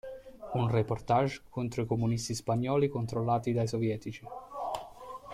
Un reportage contro i comunisti spagnoli controllati dai sovietici.